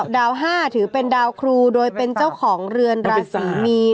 ดาว๕ถือเป็นดาวครูโดยเป็นเจ้าของเรือนราศีมีน